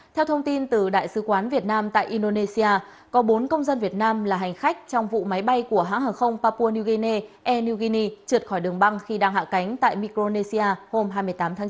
theo thông tin từ đại sứ quán việt nam tại indonesia có bốn công dân việt nam là hành khách trong vụ máy bay của hãng hàng không papua new guinea euini trượt khỏi đường băng khi đang hạ cánh tại micronesia hôm hai mươi tám tháng chín